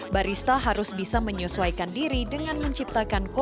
barista harus bisa menyesuaikan diri dengan menciptakan kopi yang menarik